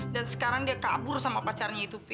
dan sekarang dia kabur sama pacarnya itu pi